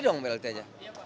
bukan dari mendagri